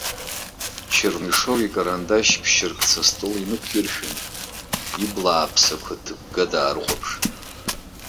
Чернышев икарандашь ԥшьыркца астол инықәиршәын, ибла ааԥсақәа ҭыгга даарылаԥшит.